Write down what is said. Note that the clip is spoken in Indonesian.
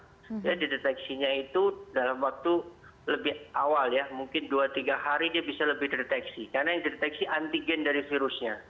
jadi dideteksinya itu dalam waktu lebih awal ya mungkin dua tiga hari dia bisa lebih dideteksi karena yang dideteksi antigen dari virusnya